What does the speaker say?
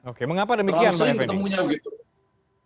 oke mengapa demikian pak fd